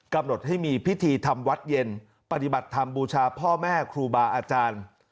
กำหนดให้มีพิธีทำวัดเย็นปฏิบัติธรรมบูชาพ่อแม่ครูบาอาจารย์